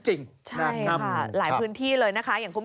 ใช่ค่ะหลายพื้นที่เลยนะคะ